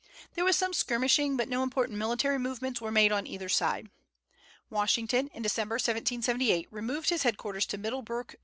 There was some skirmishing, but no important military movements were made on either side. Washington, in December, 1778, removed his headquarters to Middlebrook, N.